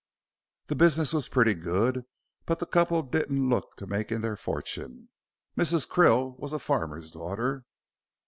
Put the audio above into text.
The business was pretty good, but the couple didn't look to making their fortune. Mrs. Krill was a farmer's daughter."